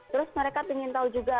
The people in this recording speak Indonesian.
terus mereka ingin tahu juga